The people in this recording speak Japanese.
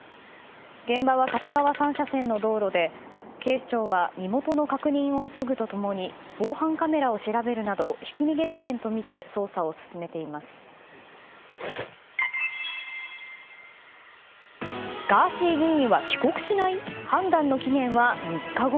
現場は片側３車線の道路で警視庁は身元の確認を急ぐと共に防犯カメラを調べるなどひき逃げ事件とみてドバイに滞在しているガーシー議員。